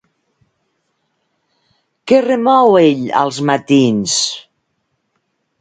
Què remou ell als matins?